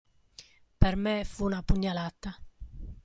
Per me fu una pugnalata.